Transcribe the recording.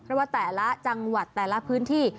เพราะว่าแต่ละจังหวัดแต่ละพื้นที่